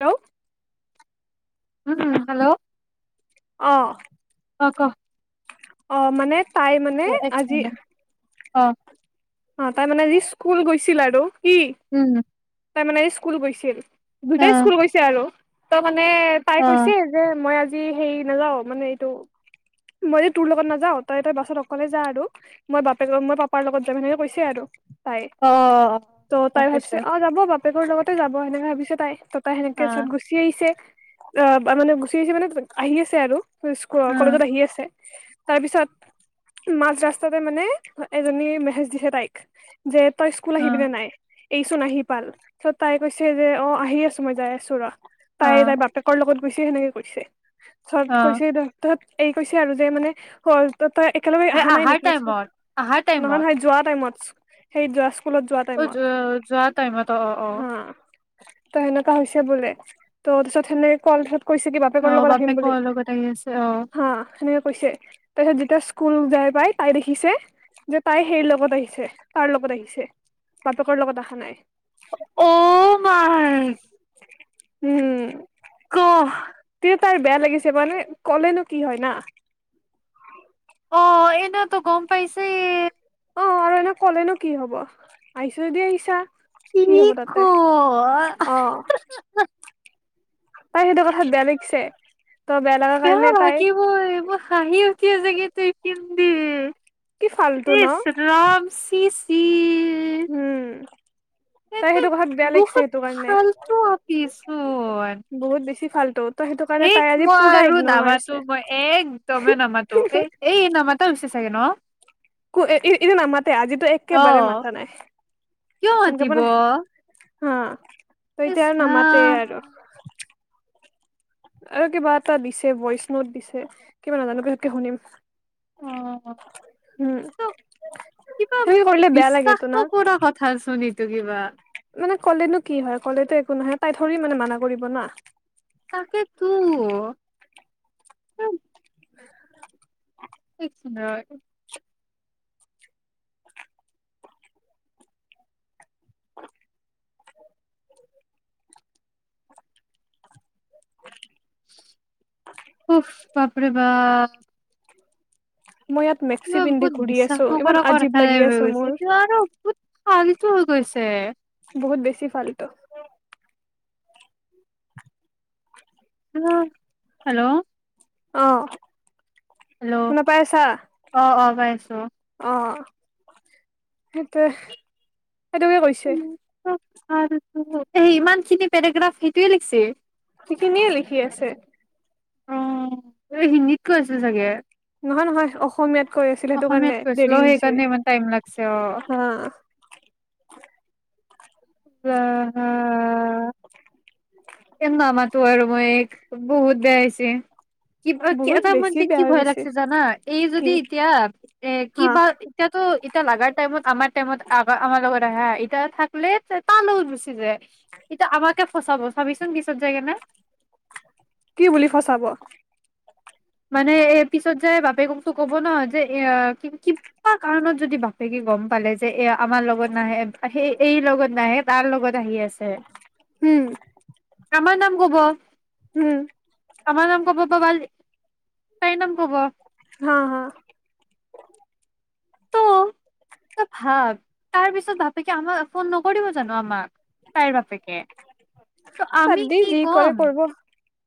Hello um hello. অঁ। [unintelligible] অ' মানে তাই মানে আজি অ'। আ তাই মানে আজি স্কুল গৈছিল আৰু। কি [unintelligible] তাই মানে ইচকুল গৈছিল। দুইটাই স্কুল গৈছে আৰু। [unintelligible] নে তাই কৈছে যে মই আজ যি হেই নেযাও মানে এইটো। মইও তোৰ লগত নাযাও, তই - তই বাছত অকলে যা আৰু। মই বাপেৰ মই পাপাৰ লগত [unintelligible] কৈছে আৰু। তাই। ত' তাই ভাবছে, অ যাব বাপ পেকৰ লগতে যাব, সেনেকে ভাবিছে তাই [unintelligible] তাই সেনেকে চত গুচি আহিছে। অ' বা মানে গুচি আহিছে মানে আহি আছে আৰু। স্কুলৰ কলেজত আহি আছে। তাৰ পিছত, মাজ ৰাস্তাতে মানে এজনী মেহ মেচেজ দিছে তাইক। যে তই স্কুল আহিবি নে নাই? এইচোন আহি পাল চ' তাই কৈছে যে অ আহি আছো মই যাই আছো ৰ তাই তাই বাপেকৰ লগত বৈছে হেনেকে কৈছে চৰ্ট কৈছে দহ তাত। এই কৈছে আৰু যে মানে ফল্ট ত তই একেলগে এই আহা নাই আহাৰ নেকি? টাইমত আহাৰ নহয় টাইমত নহয়। টু মাচ্চ্ সেই যছ অ য যোৱা টাইমত অ অ অ, হা ত হেনেকা হৈছে বোলে ত' পিছত হেনেকে কল ধত কৈছে কি অ, বাপেকৰ লগত আহিম বাপেকৰ বুলি লগত আহি আছে অ হা হেনেক কৈছে তাৰপিছত যেতিয়া স্কুল যাই পাই তাই দেখিছে যে তাই হেই লগ লগত আহিছে, তাৰ লগত আহিছে, বাপেকৰ লগত অহা নাই। এই মাৰ উম ক তাৰ বেয়া লাগিছে মানে ক'লেনো কি হয় না? অ' এনেটো গম পাইছে। অ' আৰু এনে কলে ন কি হব? আহিছো যদি আহিছা। কি হব তাতে কয় অ তাই সেইটো কথাত বেয়া লাগিছে। ত বেয়া লগাৰ কাৰণে তাই তি জোগেতেই পিন্ধ কি ফাল্টু ন ইচ ৰাম চিচ কি উম'। তাই সেইটো কথাত বেয়া লাগিছে বহুত সেইটো কাৰণে। ফাল্টু আপিচোন। বহুত বেছি ফাল্টু ত সেইটো কাৰণে তাই এইক আজি মই পুৰা আৰু ইগনৰ মাৰিছে নামাতো মই একদমে নামাতো। এ এই নামাতা হৈছে থাকে ন কো এইটো নামাতে আজিতো একেবাৰে অ' মাতা নাই। কিয় সেনেকে মাতিব মানে হা ত ইচ এতিয়া আৰু নামাতে ৰাম আৰু। আৰু কিবা এটা দিছে ভইচ নোট দিছে। কিবা নাজানো পাচত কে শুনিম। অ' উম তো কিবা সেনেকে কৰিলে বেয়া বিশ্বাস লাগেতো না নকৰা কথা আচৰিত। মানে কলেনো কি হয়। কলেটো একো সোনাই পাই তাই ধৰি মানে মানা কৰিব না। তাকে তো। হয় উফ' বাপৰে বাপ। মই ইয়াত মেক্সি কিবা পিন্ধি বহুত ঘূৰি বিশ্বাস আছো ইমান নকৰ আজীৱ কথাৰে লাগি কই আছে গৈছে মোৰ ক আৰু বহু অ' আজিটো হৈ গৈছে। বহুত বেছি ফাল্টু। হা হেল্ল' অ'। হেল্ল' শুনা পাই আছা অ' অ'। পাই আছো। অ' সেইটোৱে। সেইটোকে কৈছে। আৰু তো। ইমান খিনি পেৰেগ্ৰাফ সেইটোয়ে লিখছি। সিখিনিয়ে লিখি আছে। অ' এই হিন্দীত কৈ আছিল চাগে? নহয়, নহয় অসমীয়াত কৈ আছিল সেইটো অসমীয়াত কাৰণে কৈছিল অ দেৰি হৈছে। সেইকাৰণে ইমান টাইম লাগছে অ হা'। উৱা হা হা এইক নামাতো আৰু মই। এই বহুত বেয়া হৈছে। কিবা বহুত এটা বেছি মইযে কি বেয়া হৈ ভয় গৈছে লাগিছে জানা, এই কি যদি এতিয়া এ কি হা বা এতিয়াতো লগাৰ টাইমত আমাৰ টাইমত আ-আমাৰ লগত আহে হা, এতিয়া থাকলে তাৰ লগত গুচি যায় এতিয়া আমাকে ফচাব। ভাবিছো কিনটো কি বুলি ফচাব? মানে এ পিছত যাই বাপেককটো কব ন, যে এ কিবা কাৰণত যদি বাপেকে গম পালে যে এ আমাৰ লগত নাহে সেই এই লগত নাহে তাৰ লগত আহি আছে। উম',। আমাৰ নাম কব উম। আমাৰ নাম গ প পাবালি। তাই নাম কব। হা, হা। তু তই ভাব তাৰ পিছত বাপেকে আমাক ফোন নকৰিব জানো, আমাক। তাইৰ বাপেকে, ত বাদ আমি দি কি যি কৰে কম। কৰিব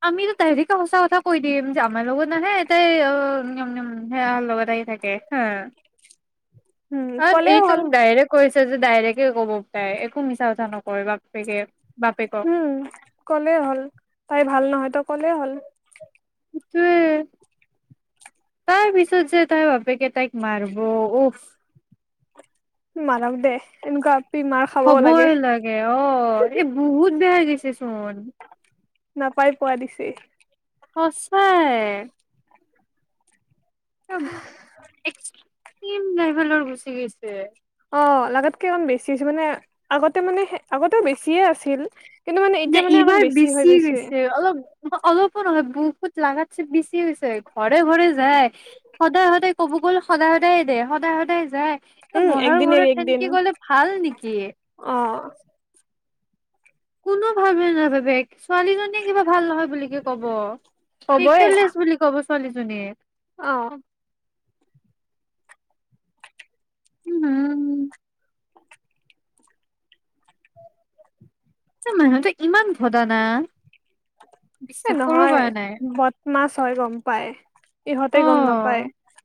আমিতো তাই সঁচা কথা কৈ দিম, যে আমাৰ লগত নাহে এ তাই সোৰ লগত আহি থাকে হা। হুম অ ক'লে এইটো হ'ল ডাইৰেক্ট [unintelligible] যে ডাইৰেক্টে ক'ব পাই, একো মিছা কথা নক [unintelligible] উম', ক'লেই হ'ল, তাই ভাল নহয় তক। কলেই হ'ল। উম', তাৰ পিছত যে তাইৰ ভাপেকে তাইক মাৰব। উফ মাৰক দে এনকোৱা হ'বই লাগে, অ', এই বহুত বেয়া হৈ গৈছে চুন নাপাই পোৱা দিছে। সচা লাইভেলৰ গুচি গৈছে। তে অ, লাগাতকে অকমান বেছি হৈছে, মানে আগতে মানে আগতে বেছিয়ে আছিল কিন্তু মানে নাই, এতিয়া মানে অকণ এইবাৰ হৈ বেছি গৈছে হৈছে অলপ অলপ নহয় বহুত লাগাত চে বেছি হৈছে ঘৰে ঘৰে যায় সদায় সদায় কব গ'ল সদায় সদায় দে সদায় সদায় যায়। উম লৰাৰ একদিন এৰি ঘৰত একদিন তেনেকে গলে ভাল নেকি,? অ কোনো ভাল বুলি নাভাবে ছোৱালীজনীয়ে কিবা ভাল নহয় বুলিকে কব। হ'বই কেৰেক্টাৰলেষ্ট বুলি কব। ছোৱালী জনীয়ে অ। উম মানুহ টো ইমান ভদা না এ বিশ্বাস কৰিব নহয়, পৰা নাই বদমাছ তই গম পাই। অ। ইহঁতে গম নাপায়।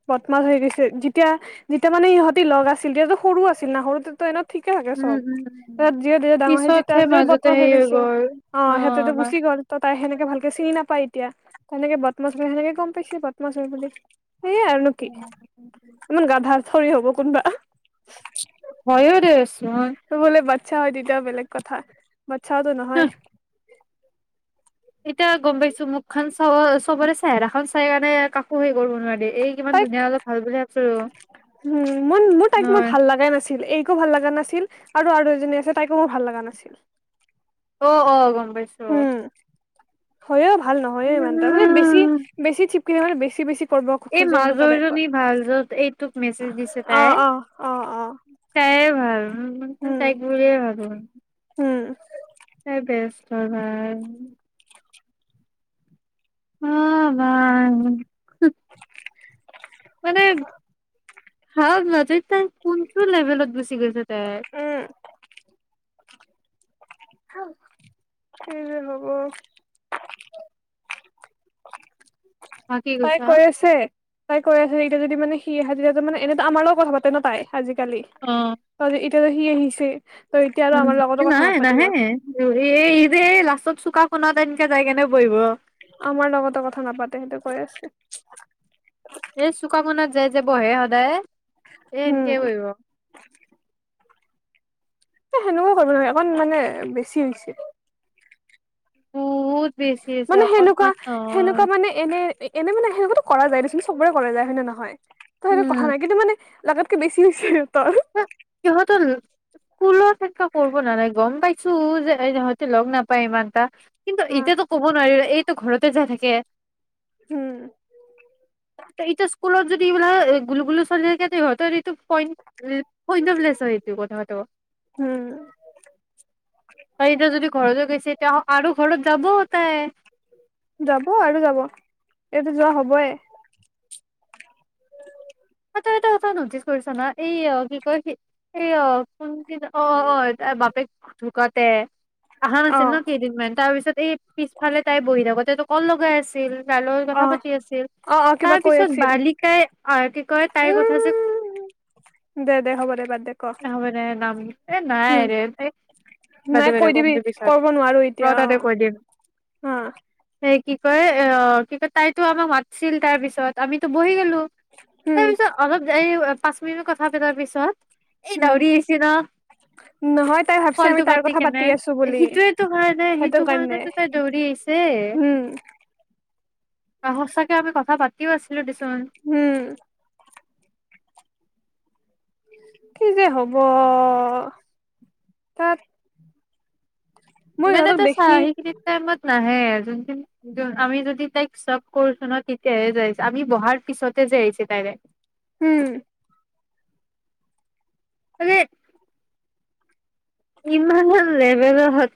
মাছ হৈ গৈছে, যেতিয়া যেতিয়া মানে ইহঁতি লগ আছিল তেতিয়াতো সৰু আছিল না সৰুতেতো এনে থিকে থাকে উম চব, উম উম। তাত যিয়ে ডাঙৰ হৈ যেতিয়া পিছতহে যে মাজতে বদমাছ হৈ হেৰি গৈছে, গ'ল অ' সিহঁতো গুচি গ'ল। তাই সেনেকে ভালকে চিনি নাপায় এতিয়া, তেনেকে বদমাছ বুলিহে গ'ম পাইছে বদমাছ হৈ বুলি।। সেয় আৰ নো কি, ইমান গাধা ঠ'ৰে হ'ব কোনবা। হয়ো দেচোন, চে হয় তেতিয়া বেলেগ কথা। বাটচ্চাও টো নহয়। হাহ [inaudible] এতিয়া গ'ম পাইছ তো মুখখন চাওঁ চবৰে চা চেহেৰা খন চাই কাৰণে কাকো কৰিব নোৱাৰি। এই কিমান তাইক ধুনীয়া অলপ ভাল বুলি ভাবছিলো, নহয়। ছিল, এইকো ভাল লগা নাছিল, আৰু আৰু এজনী আছে তাইকো মোৰ ভাল লগা নাছিল। অ' অ' গণ পাইছ [unintelligible] হইয় ভা ভাল নহয়ে ইমানটা, মানে বেছি বেছি কিহৰ বেছি বেছি কৰিব এই খোজে সেনেকুৱা মাজৰ টাইপৰ। জনী ভাল, য'ত এই টোক মেছেজ দিছে অ', তাই, অ', অ', অ', তাইয়ে ভাল। অ' অ' উম, তাইক বুলিয়েই ভাবো। উম, তাই বেষ্ট হয় ভাই। অ' ভাল হা মাজত তাই কোনটো লেভেলত গুছি গৈছে- তাই উম [unintelligible] কি যে হ'ব থাকি তাই গৈছা কৈ আছে, তাইক তাই হৈ এতিয়া যদি মানে সি হাজৰিতো মানে এনেই আমাৰ লগত কথা পাতে ন তাই। আজিকালি অ', ত জে ইত প'ৰহি আহিছে তই এতিয়া আৰু উম আমাৰ লগতো কথা নাই, নাপাতিব। নাহে এ ই যে লাষ্টত চুকা ক [unintelligible] বহিব আমাৰ লগতো কথা নাপাতে সেইটো কৈ আছে, এ চুকামনত যায় যে বহে সদায়, এই উম, এনেকেই বহিব। এ সেনেকুৱা কৰিব নোৱাৰাৰে, অকণ মানে বেছি হৈছে। ও' মানে সেনেকুৱা সেনেকুৱা মানে এনে এনে মানে সেনেকুৱা টো কৰা যায় দে চোন চবৰে কৰা যায় হয় নে নহয় তো সেইটো উম। কথা নাই কিন্তু মানে লাগাতকে বেছি হৈছিল ত সিহঁতৰ স্কুলত সেনেকুৱা কৰিব নালাগে গম পাইছো যে সিহঁতে লগ নাপায় ইমান এটা কিন্তু হা এতিয়াতো ক'ব নোৱাৰিলে এইটো ঘৰতে যাই থাকে উম এতিয়া স্কুলত যে কি বোলে গুলো গুলো ছোৱালী কেতি তাৰ এইটো প হয় ন বিলাইছ এইটো কথাটো উম আৰু এতিয়া যদি ঘৰলৈ গৈছে তেওঁ আৰু ঘৰত যাব তাই যাব আৰু যাব এইটো যোৱা হবই অ তই এটা কথা নটিচ কৰিছ না এই অ কি কয় এই অ কোনদিনা অ অ তাৰ বাপেক ঢুকাওতে অহা অ নাছিল ন কেইদিনমান তাৰ পিছত এই পিছফালে তাই বহি থাকোতে তোক কল লগাই আছিল তালৈ কথা অ পাতি আছিল অ অ কিবা তাৰ কৈ পিছত আছিল বালিকাই অ কি কয় তাইৰ কথা যে উম দে দে হ'ব দে বা এ হব দে ন ম নাম এ উম নাইৰে তাই বাটদে নাই বাটদে কৈ কম দিবি দে পিছত কৰিব নোৱাৰো ৰ এতিয়া অ তাতে কৈ দিম অ সেই কি ক অ কি কয় তাইতো আমাক মাতিছিল তাৰ পিছত আমিতো বহি গলো উম তাৰ পিছত অলপ যায় পাঁচ মিনিট কথা পতাৰ পিছত এই উম দৌৰি আহিছে ন নহয় তাই ভাবছে আমি কলটো তাইৰ কাটি কথা কেনে পাতি আছো বুলি সেইটোয়েটো কাৰণে সেইটো কাৰণেটো তাই দৌৰি আহিছে উম অহ সচাকে আমি কথা পাতিও আছিলো দেচো উম কি যে হব তাত মই মানে ইহঁতক ত চা দেখি সেইখিনি টাইমত নাহে যোনখি আমি যদি তাইক চক কৰিছো ন তেতিয়াহে যাই আহিছে আমি বহাৰ পিছতে যে আহিছে ডাইৰেক্ট উম মানে ইমান অ লেবেল হত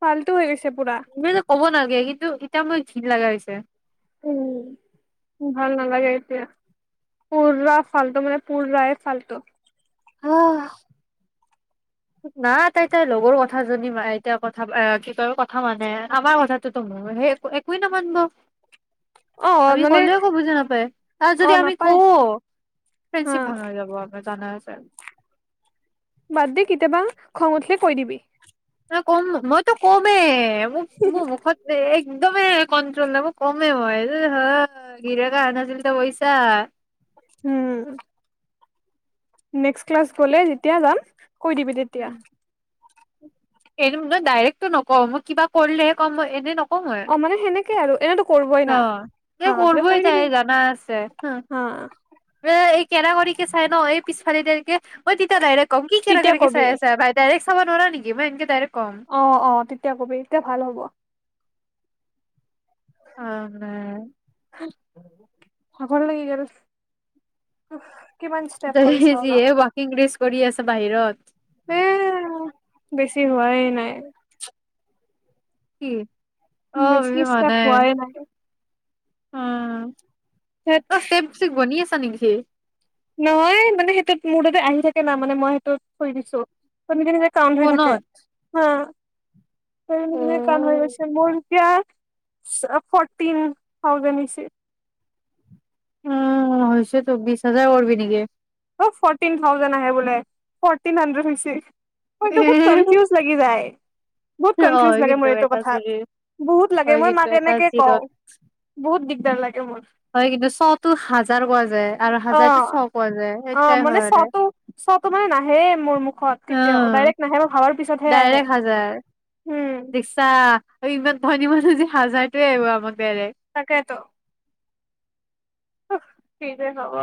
ফালতু হৈ গৈছে পুৰা। তুমি যে ক'ব নাগ বেগীতো এতিয়া মই ঘিন লগা হৈছে উম ভাল নালাগে এতিয়া পুৰা ফাল্টু মানে পুৰাই ফাল্টু অহ না তাই তাৰ লগৰ কথা জনী মানে এতিয়া কথা কি কয় কথা মানে আমাৰ কথাটোতো মোৰ সেই একোৱেই নামানিব অ আমি মানে কলে আকৌ বুজি নাপায় তাত অ যদি আমি নাপায় কওঁ হা ফ্ৰেণ্ডশ্বিপ ভাঙা যাব। মোৰ জানা আছে। বাদ দি কেতিয়াবা খং উঠিলে কৈ দিবি। না কম মইতো কমে মোৰ মুখত একদমে কণ্ট্ৰল নাই মোৰ মই কমে মই অহ হ নিজেতো অৰুণাচল টো গৈছা। উম। নেক্স ক্লাছ গলে যেতিয়া যাম। কৈ দিবি তেতিয়া। উম। এনে ডাইৰেক্টো নকওঁ মই কিবা কৰিলেহে কম মই এনে নকওঁ। মই অ মানে সেনেকে আৰু এনেতো কৰিবই ন না এই হা তাতে কৰিবই কৈ তাই দিবি জানা আছে হুম, হা। এ কেৰা কেৰিকে চাই ন এই পিছ [unintelligible] মই তেতিয়া ডাইৰেক্ ক'ম কি কেৰা তেতিয়া কৰিকে কবি চাই আছা ভাই ডাইৰেক্ কব নোৱাৰা নেকি মই এনকে ডাইৰেক্ অ অ তেতিয়া কবি এতিয়া ভাল হ'ব। অ কে। ভাগৰ লাগি গল। অফ্ তা হে যিহে ৱাকইংলিছ কৰি আছ বাহিৰত এ বেছি হোৱাই নাই কি? অ বেছি ষ্টেপ পোৱাই লাগে। হা। তাত অ ষ্টেপ চিক বনি আছে হয় নিকি নহয় মানে সেইটোত মোৰ তাতে আহি থাকে। না মানে মই সেইটোত থৈ দিছো সব নিজে নিজে কাউণ্ট হৈ থাকে ফোনত? হা। ত নিজে নিজে কাউন্ট হৈ উম, গৈছে। চব ফৰ্টিন থাউজেণ্ড হৈছে। উম হৈছে তো বিশ হাজাৰ কৰবি নেকি? অ ফৰ্টিন থাউজেণ্ড আহে বোলে ফৰ্টিন হাড্ৰেড হৈছে। মোৰতো বুত কনফিউজ লাগি যায়। বহুত কনফিউজ হয় লাগে কিন্তু মোৰ এইটো এটাচি কথাত। জি বহুত লাগে হয় মই কিন্তু মাক এনেকে এটাচি কওঁ ডট বহুত দিগদাৰ লাগে মোৰ হয় কিন্তু চটো হাজাৰ কোৱা যায় আৰু অ হাজাৰতো শ কোৱা যায় অ সেনেকাই মানে হয় সদায়। চটো চটো মানে নাহে মোৰ মুখত কেতিয়াও অ', ডাইৰেক্ট নাহে মই ভাবাৰ পিছতহে আহে উম বিছা সেইমান।। ধনী মানুহ হাজাৰটোৱে এৰুৱাব তাকেইেতো। ওহ কি যে হব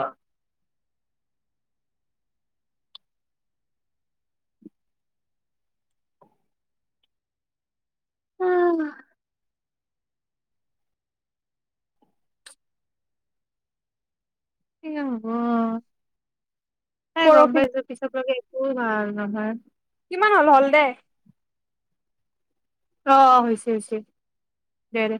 অ মা।। কি যে হ'ব। সেই গম পৰহি পাইছো পিছটো সেই।। অ ভাল নহয়। কিমান হ'ল হ'ল দে? অ অ হৈছে হৈছে দে।